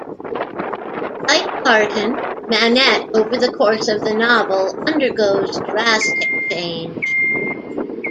Like Carton, Manette over the course of the novel, undergoes drastic change.